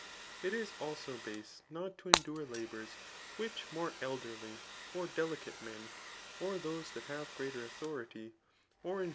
It is also base not to endure labours which more elderly or delicate men, or those dutt have greater authority, or in.